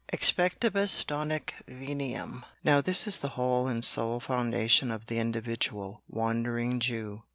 Expectabis donec veniam.'" Now this is the whole and sole foundation of the individual Wandering Jew.